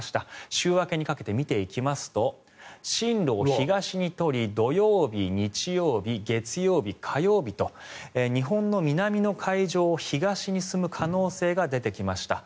週明けにかけて見ていきますと進路を東に取り土曜日、日曜日月曜日、火曜日と日本の南の海上を東に進む可能性が出てきました。